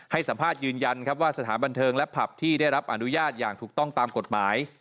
ให้สัมภาษณ์ยืนยันครับว่าสถานบันเทิงและผับที่ได้รับอนุญาตอย่างถูกต้องตามกฎหมาย